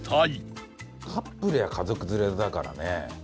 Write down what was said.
カップルや家族連れだからね。